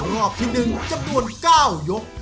รอบที่๑จำนวน๙ยก